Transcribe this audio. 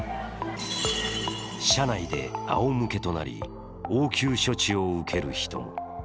車内であおむけとなり、応急処置を受ける人。